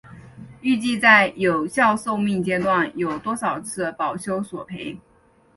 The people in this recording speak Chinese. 预计在有效寿命阶段有多少次保修索赔？